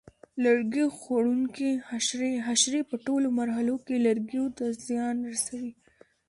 لرګي خوړونکي حشرې: حشرې په ټولو مرحلو کې لرګیو ته زیان رسوي.